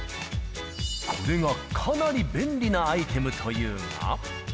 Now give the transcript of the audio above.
これがかなり便利なアイテムというが。